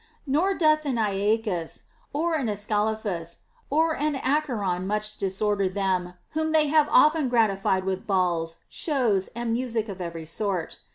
Nor doth an Aeacus, an Ascalaphus, or an Acheron much disorder them whom they have often gratified with balls, shows, and music of every sort.